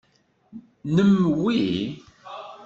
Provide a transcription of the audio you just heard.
Nnem wi?